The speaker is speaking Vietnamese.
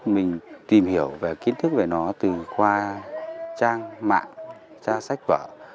mình tìm hiểu về kiến thức về nó từ qua trang mạng ra sách vở